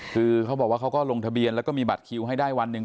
คือเขาบอกว่าเขาก็ลงทะเบียนแล้วก็มีบัตรคิวให้ได้วันหนึ่ง